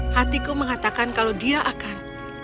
hatiku mengatakan kalau dia akan